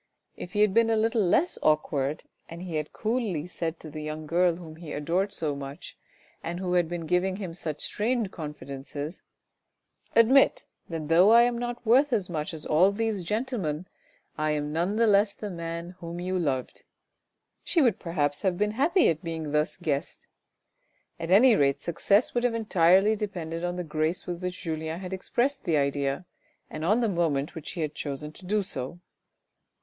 If he had been a little less awkward and he had coolly said to the young girl, whom he adored so much and who had been giving him such strange confidences :" admit that though I am not worth as much as all these gentlemen, I am none the less the man whom you loved," she would perhaps have been happy at being at thus guessed ; at any rate success would have entirely depended on the grace with which Julien had expressed the idea, and on the moment which he had chosen to do so.